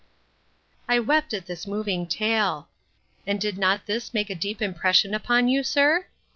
I wept at this moving tale. And did not this make a deep impression upon you, sir?